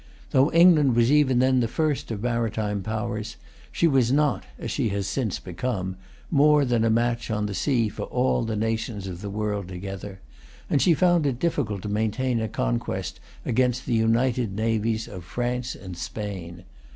Though England was even then the first of maritime powers, she was not, as she has since become, more than a match on the sea for all the nations of the world together; and she found it difficult to maintain a contest against the united navies of France and Spain.